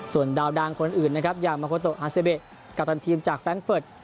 ส่วนดาวดังคนอื่นนะครับอย่างมาโคโตอาเซเบะกัปตันทีมจากแร้งเฟิร์ต